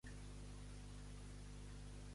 Digues amb quin bus puc anar al Solsonès.